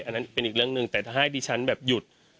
อันนั้นเป็นอีกเรื่องหนึ่งแต่ถ้าให้ดิฉันแบบหยุด